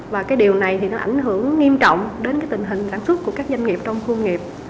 và điều này thì nó ảnh hưởng nghiêm trọng đến tình hình sản xuất của các doanh nghiệp trong khu công nghiệp